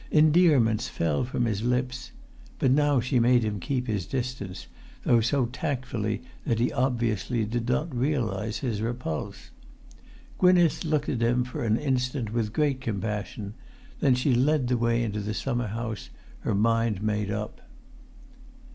Endearments fell from his lips, but now she made him keep his distance, though so tactfully that he obviously did not realise his repulse. Gwynneth looked at him for an instant with great compassion; then she led the way into the summer house, her mind made up.